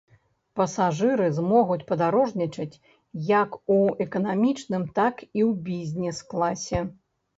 Пасажыры змогуць падарожнічаць як у эканамічным, так і ў бізнес-класе.